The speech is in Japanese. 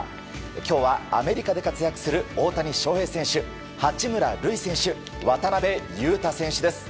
今日はアメリカで活躍する大谷翔平選手、八村塁選手渡邊雄太選手です。